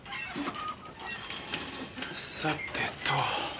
さてと。